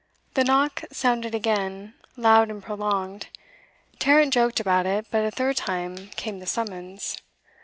The knock sounded again, loud and prolonged. Tarrant joked about it; but a third time came the summons.